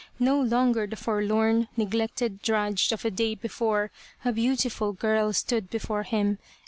No longer the forlorn, neglected drudge of the day before, a beautiful girl stood before him.